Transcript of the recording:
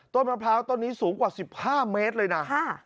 มะพร้าวต้นนี้สูงกว่า๑๕เมตรเลยนะ